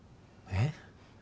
えっ？